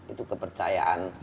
itu kepercayaan yang saya